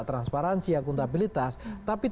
transparansi akuntabilitas tapi